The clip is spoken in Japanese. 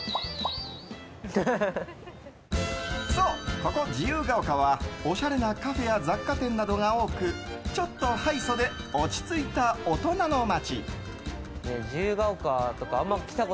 ここ、自由が丘はおしゃれなカフェや雑貨店などが多くちょっとハイソで落ち着いた大人な街。